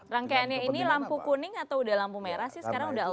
rangkaiannya ini lampu kuning atau lampu merah sih sekarang sudah alder